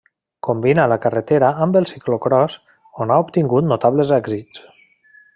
Combina la carretera amb el ciclocròs on ha obtingut notables èxits.